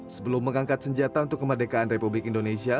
sebelum mengangkat senjata untuk kemerdekaan republik indonesia